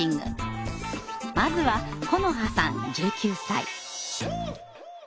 まずはこのはさん１９歳。